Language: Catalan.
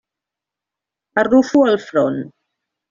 Arrufo el front.